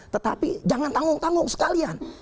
tetapi jangan tanggung tanggung sekalian